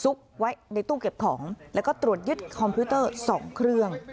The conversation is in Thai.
ไว้ในตู้เก็บของแล้วก็ตรวจยึดคอมพิวเตอร์๒เครื่อง